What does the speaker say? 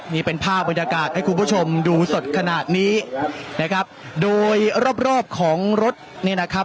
นี่เป็นภาพบรรยากาศให้คุณผู้ชมดูสดขนาดนี้นะครับโดยรอบรอบของรถเนี่ยนะครับ